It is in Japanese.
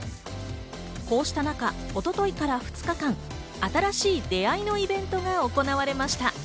こうした中、一昨日から２日間、新しい出会いのイベントが行われました。